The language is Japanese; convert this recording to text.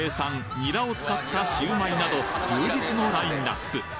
ニラを使ったシウマイなど充実のラインナップ